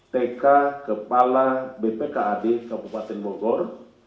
tk kepala bpkad kabupaten bogor